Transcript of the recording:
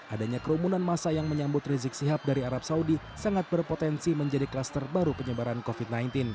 adanya kerumunan masa yang menyambut rizik sihab dari arab saudi sangat berpotensi menjadi kluster baru penyebaran covid sembilan belas